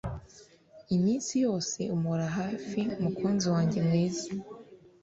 Iminsi yose umpore hafi mukiza wanjye mwiza